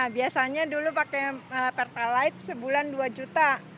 biasanya dulu pakai pertalite sebulan dua juta